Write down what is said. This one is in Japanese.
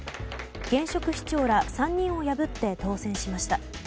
現職市長ら３人を破って当選しました。